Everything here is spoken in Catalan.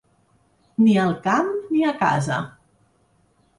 Ni al camp ni a casa.